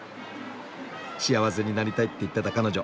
「幸せになりたい」って言ってた彼女